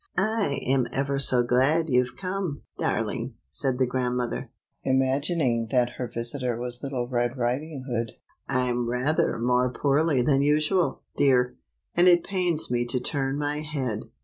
" I am ever so glad you've come, darling," said the grand mother, imagining that her visitor was Little Red Riding Hood. " I'm rather more poorly than usual, dear, and it pains me to turn my head."